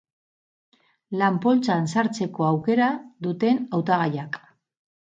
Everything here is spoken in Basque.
Lan-poltsan sartzeko aukera duten hautagaiak.